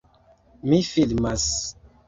Mi filmas.